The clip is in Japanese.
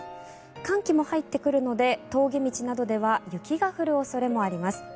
寒気も入ってくるので峠道などでは雪が降る恐れもあります。